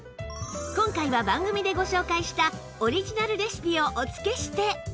今回は番組でご紹介したオリジナルレシピをお付けして